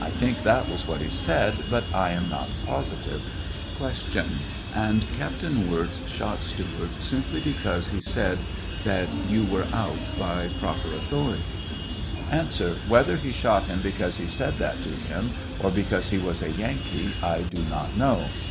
1 think that was what he said, but I am not positive. Q. And Captain Wirz shot Stewart simply because he said that you were out by proper authority 1 A. Whether he shot him because he said that to him, or because he was a Yankee, I do not know.